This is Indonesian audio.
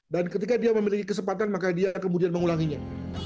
dan ketika dia memiliki kesempatan maka dia kemudian mengulanginya